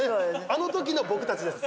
あのときの僕たちです。